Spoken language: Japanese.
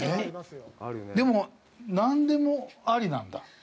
でも、何でもありなんだ。